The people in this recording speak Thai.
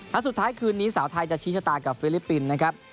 สุดท้ายคืนนี้สาวไทยจะชี้ชะตากับฟิลิปปินส์นะครับ